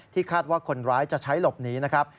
คาดว่าคนร้ายจะใช้หลบหนีนะครับ